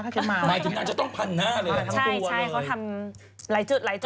ถ้าเกิดมาหมายถึงมันจะต้องพันหน้าเลยผ่านตัวเลยใช่ใช่เขาทำหลายจุดหลายจุด